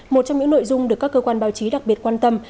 một trong những nội dung được các cơ quan báo chí đặc biệt quan tâm